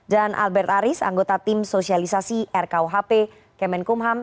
dan albert aris anggota tim sosialisasi rkuhp kemenkumham